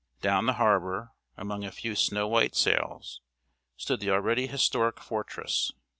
Down the harbor, among a few snow white sails, stood the already historic fortress.